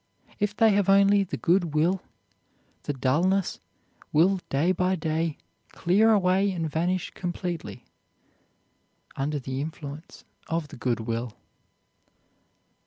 If they have only the good will, the dulness will day by day clear away and vanish completely under the influence of the good will.